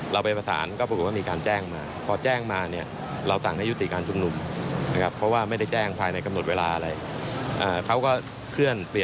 คาบตำรวจที่ถูกทำร้ายก็มีตำรวจที่ได้รับบาดเจ็บก็มี